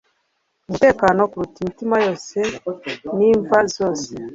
Umutekano kuruta imitima yose nimva zose